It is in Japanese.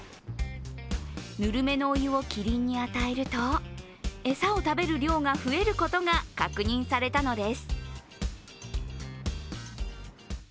温めのお湯をキリンに与えると餌を食べる量が増えることが確認されたのです。